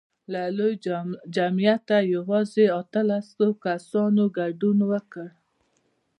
له لوی جمعیته یوازې اتلس کسانو ګډون وکړ.